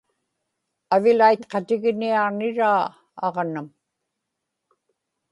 avilaitqatiginiaġniraa aġnam